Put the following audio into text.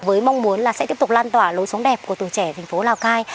với mong muốn là sẽ tiếp tục lan tỏa lối sống đẹp của tuổi trẻ thành phố lào cai